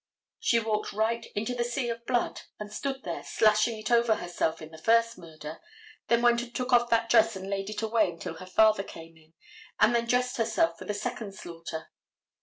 She walked right into that sea of blood, and stood there, slashing it over herself in the first murder; then went and took off that dress and laid it away until her father came in, and then dressed herself for the second slaughter.